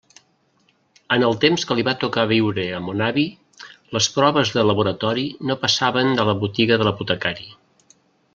En el temps que li va tocar viure a mon avi, les proves de laboratori no passaven de la botiga de l'apotecari.